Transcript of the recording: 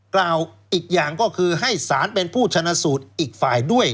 กล่าวอีกอย่างก็คือให้สารเป็นผู้ชนะสูตรอีกฝ่ายด้วย